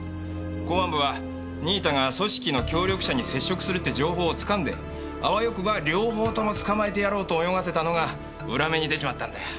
公安部は新井田が組織の協力者に接触するって情報を掴んであわよくば両方とも捕まえてやろうと泳がせたのが裏目に出ちまったんだよ。